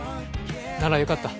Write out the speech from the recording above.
ならよかった。